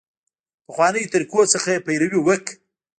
پخوانیو طریقو څخه یې پیروي وکړه.